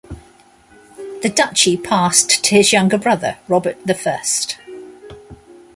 The duchy passed to his younger brother Robert the First.